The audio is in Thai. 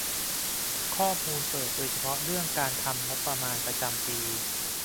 ข้อมูลเปิดโดยเฉพาะเรื่องการทำงบประมาณประจำปี